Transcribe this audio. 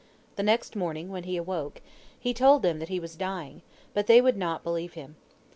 The next morning when he awoke, he told them that he was dying, but they would not believe him.